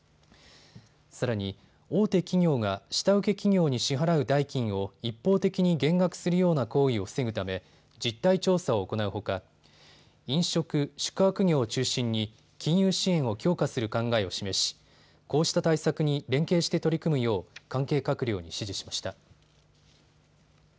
さらに大手企業が下請け企業に支払う代金を一方的に減額するような行為を防ぐため実態調査を行うほか飲食・宿泊業を中心に金融支援を強化する考えを示しこうした対策に連携して取り組むよう関係閣僚に指示しました。